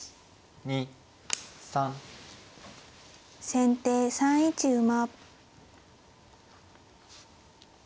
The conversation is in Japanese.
先手３一馬。